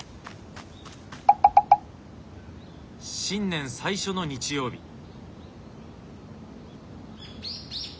新年最初の日曜日。